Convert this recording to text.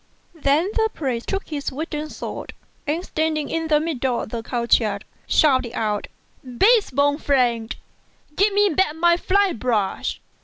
Then the priest took his wooden sword, and standing in the middle of the court yard, shouted^ out, "Base born fiend, give me back my fly brush!"